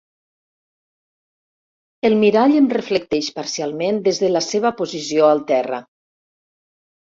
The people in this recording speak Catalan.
El mirall em reflecteix parcialment des de la seva posició al terra.